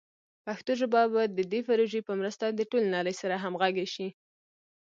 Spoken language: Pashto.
پښتو ژبه به د دې پروژې په مرسته د ټولې نړۍ سره همغږي شي.